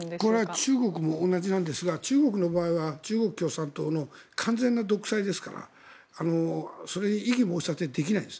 中国も同じですが中国の場合は中国共産党の完全な独裁ですからそれに異議申し立てができないんです。